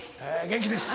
元気です。